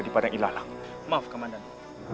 di padang ilalang maaf kaman dhani